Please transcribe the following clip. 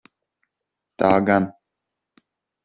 Tā gan.